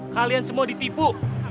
kalian semua ditipu